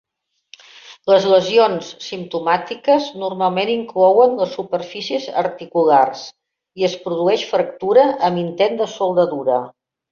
Les lesiones simptomàtiques normalment inclouen les superfícies articulars i es produeix fractura amb intent de soldadura.